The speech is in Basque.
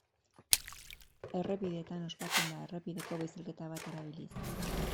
Errepideetan ospatzen da errepideko bizikleta bat erabiliz.